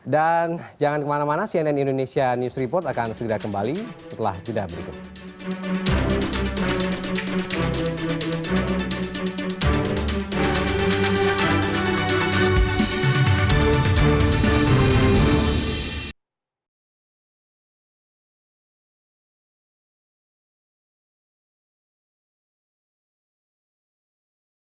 dan jangan kemana mana cnn indonesia news report akan segera kembali setelah juda berikut